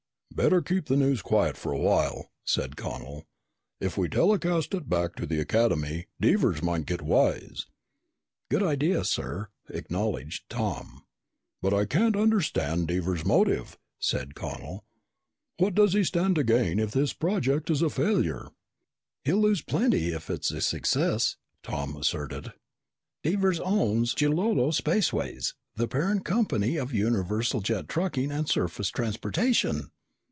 "Better keep the news quiet for a while," said Connel. "If we telecast it back to the Academy, Devers might get wise." "Good idea, sir," acknowledged Tom. "But I can't understand Devers' motive," said Connel. "What does he stand to gain if this project is a failure?" "He'll lose plenty if it's a success," Tom asserted. "Devers owns Jilolo Spaceways, the parent company of Universal Jet Trucking and Surface Transportation!